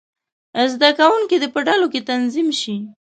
زده کوونکي دې په ډلو کې تنظیم شي.